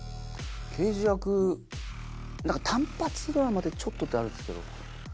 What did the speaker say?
刑事役単発ドラマでちょっとってあるんですけど。